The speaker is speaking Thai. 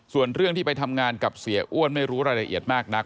ส่วนเรื่องที่ไปทำงานกับเสียอ้วนไม่รู้รายละเอียดมากนัก